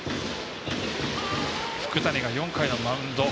福谷が４回のマウンド。